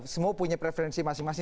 semua punya preferensi masing masing